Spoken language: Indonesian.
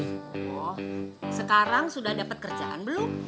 sekarang sudah dapat kerjaan belum